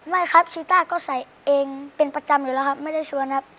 ไม่ครับชีต้าก็ใส่เองเป็นประจำอยู่แล้วครับไม่ได้ชวนครับ